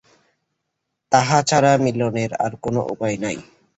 তাহা ছাড়া মিলনের আর কোন উপায় নাই।